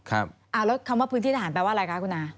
แล้วคำว่าพื้นที่ทหารแปลว่าอะไรคะคุณอา